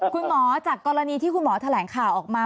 จากกรณีที่คุณหมอแถลงข่าวออกมา